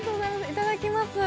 いただきます。